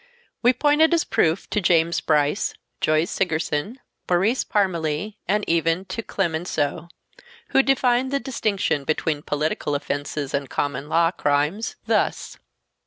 We pointed as proof to James Bryce, George Sigerson, Maurice Parmelee and even to Clemenceau, who defined the distinction between political offenses and common law crimes thus